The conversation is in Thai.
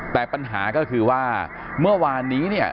แต่ปัญหาก็คือว่าเมื่อวานนี้เนี่ย